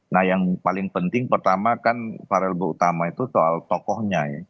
nah yang paling penting pertama kan parabel utama itu soal tokohnya ya